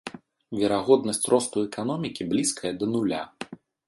Верагоднасць росту эканомікі блізкая да нуля.